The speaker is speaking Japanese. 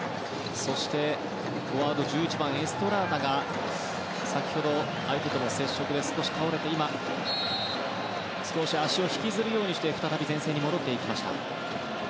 そして、フォワードのエストラーダが先ほど、相手との接触で倒れて少し足を引きずるようにして再び前線に戻りました。